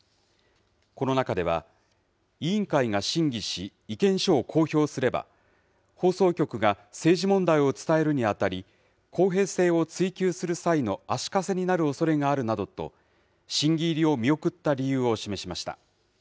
この中では、委員会が審議し、意見書を公表すれば、放送局が政治問題を伝えるにあたり、公平性を追求する際の足かせになるおそれがあるなどと、審議入りを見送った理由を示しました。